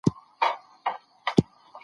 هغه مواد چي په زړه کي دي در ګرځي وڅېړه.